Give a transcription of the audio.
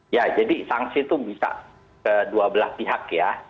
ya jadi sanksi itu bisa kedua belah pihak ya